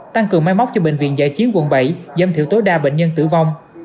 tăng cường máy móc cho bệnh viện giải chiến quận bảy giảm thiểu tối đa bệnh nhân tử vong